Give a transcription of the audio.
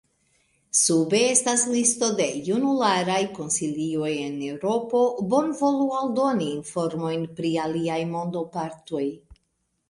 Sube estas listo de junularaj konsilioj en Eŭropo, bonvolu aldoni informojn pri aliaj mondopartoj.